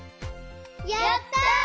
やった！